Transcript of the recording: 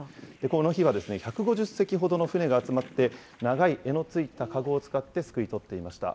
この日は１５０隻ほどの船が集まって、長い柄の付いたかごを使ってすくいとっていました。